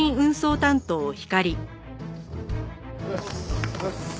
おはようございます。